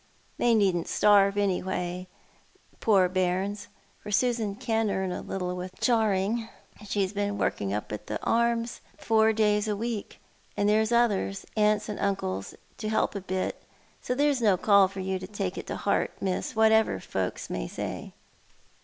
They needn't starve, anyhow, poor bairns, for Susan can earn a little with charing. She's been working up at the Arms four days a week, and there's others — uncles and aunts — to help a bit, so there's no call for you to take it to heart, Miss, whatever folks may say."